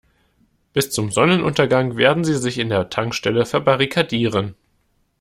Bis zum Sonnenuntergang werden sie sich in der Tankstelle verbarrikadieren.